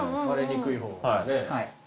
割れにくい方がね。